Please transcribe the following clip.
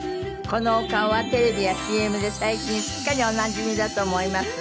このお顔はテレビやＣＭで最近すっかりおなじみだと思います。